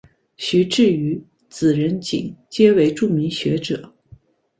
徐致愉子仁锦皆为著名学者。